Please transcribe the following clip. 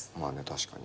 確かに。